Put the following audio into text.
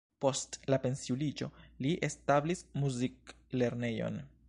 Post la pensiuliĝo li establis muziklernejon.